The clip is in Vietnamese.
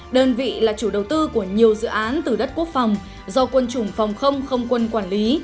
đơn vị là chủ đầu tư của nhiều dự án từ đất quốc phòng do quân chủng phòng không không quân quản lý